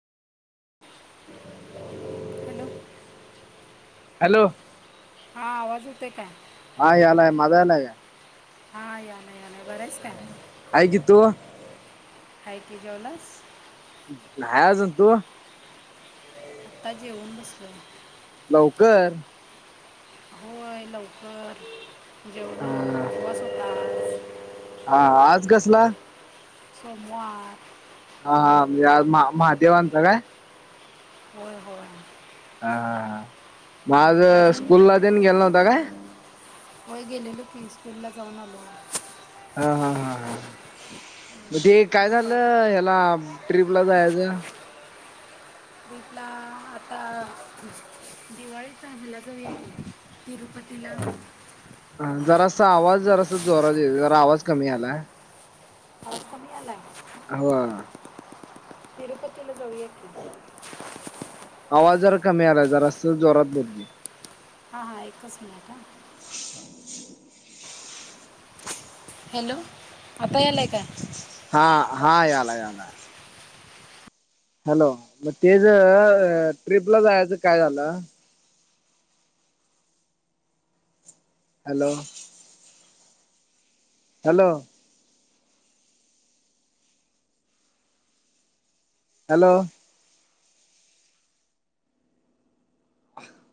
Hello hello हा आवाज यत आहे काय? हा आलाय मझा आला आहे का? हा या नाही या नाही बरंच का? हगित हा कि जेवलास. नाहीय आज तु आता जेऊन बसल. लवकर होय लवकर जेवल अं, उपवास होतात. हा आज कसला. समार हा हा या महादेवांचां काय? होय होय. ह ह मग आज स्कूल ला देन गे नव्हता काय? वय गेलेल फीस पेडला जाऊन आलो. हा हा हा हा मग ते काय दुपारी झालं ह्याला ट्रीिपला जायचं. तथला आता दिवाळी चांगल्यागवीेते. तिरूपतीला ह जरा अस आवाज जर अस जोरात येत ज आवाज कमी आला. क्यालाग हो तिरपला जोळ आवाज जरा कमी आलाय जरा असत जोरात बलगी. हां हां एकच मिनिट ह हॅलो आताय आला आहे काय? हा हा याला याला हॅलो मग ते ज ट्रिपला जायचं काय झालं. हॅलो हॅलो हॅलो ह